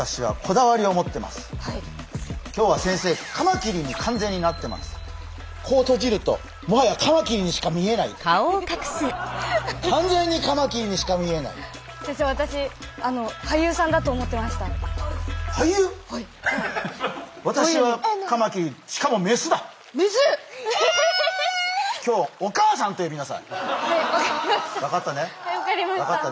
はいわかりました。